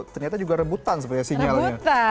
ternyata juga rebutan sebenarnya sinyalnya